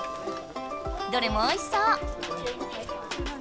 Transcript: どれもおいしそう！